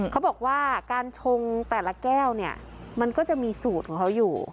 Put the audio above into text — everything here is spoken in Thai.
เขาบอกว่าการชงแต่ละแก้วเนี่ยมันก็จะมีสูตรของเขาอยู่